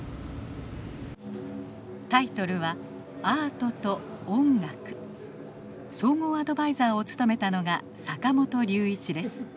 タイトルは総合アドバイザーを務めたのが坂本龍一です。